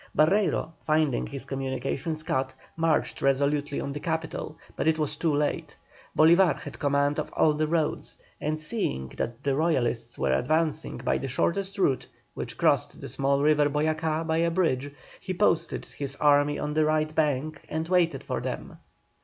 Barreiro, finding his communications cut, marched resolutely on the capital; but it was too late. Bolívar had command of all the roads, and seeing that the Royalists were advancing by the shortest route, which crosses the small river Boyacá by a bridge, he posted his army on the right bank and waited for them.